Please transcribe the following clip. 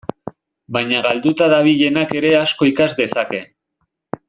Baina galduta dabilenak ere asko ikas dezake.